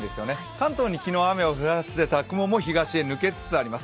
関東に昨日、雨を降らせていた雲も東へ抜けつつあります。